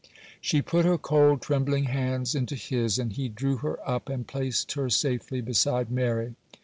She put her cold, trembling hands into his, and he drew her up and placed her safely beside Mary.